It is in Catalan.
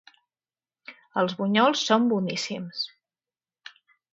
Els bunyols són boníssims.